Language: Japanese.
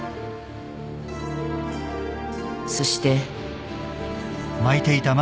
そして。